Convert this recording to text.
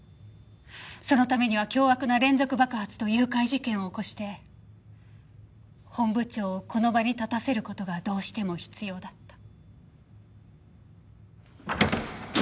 そのためには凶悪な連続爆発と誘拐事件を起こして本部長をこの場に立たせる事がどうしても必要だった。